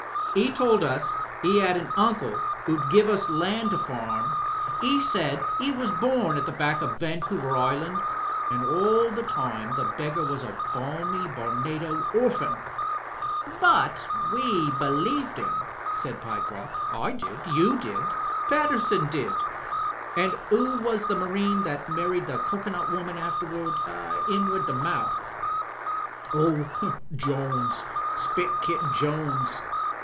He told us he had an uncle 'ooM give us land to farm. 'E said he was bom at the back o' Vancouver Island, and aU the time the beggar was a balmy Bamado Orphan 1" "Btd we believed him," said Pyecroft. "I did— ^ you did — ^Paterson did — an* 'oo was the Marine that married the cocoanut woman afterwards — ^him with the mouth?" "Oh, Jones, Spit Kid Jones.